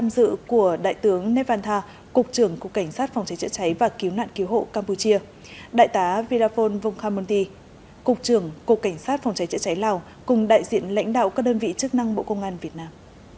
của đại tướng nét văn thà cục trưởng cục cảnh sát phòng cháy chữa cháy và cứu nạn cứu hộ campuchia đại tá vida phôn vông khamon thi cục trưởng cục cảnh sát phòng cháy chữa cháy lào cùng đại diện lãnh đạo các đơn vị chức năng bộ công an việt nam